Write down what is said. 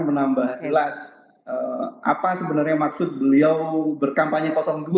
menambah jelas apa sebenarnya maksud beliau berkampanye dua